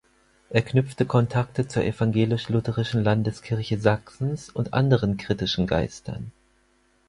Er knüpfte Kontakte zur Evangelisch-Lutherischen Landeskirche Sachsens und anderen kritischen Geistern.